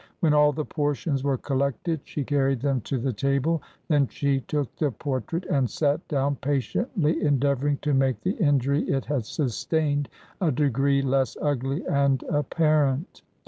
When all the portions were collected she car ried them to the table ; then she took the portrait and sat down, patiently endeavouring to make the injury it had sustained a degree less ugly and apparent.